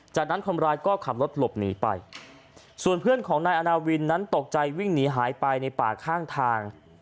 จากนั้นคนร้ายก็ขับรถหลบหนีไปส่วนเพื่อนของนายอาณาวินนั้นตกใจวิ่งหนีหายไปในป่าข้างทาง